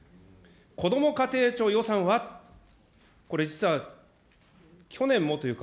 こども家庭庁予算は、これ、実は去年もというか、